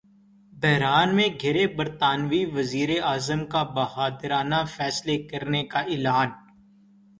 بحران میں گِھرے برطانوی وزیراعظم کا ’بہادرانہ فیصلے‘ کرنے کا اعلان